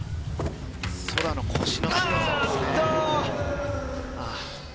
空良押しの強さですね。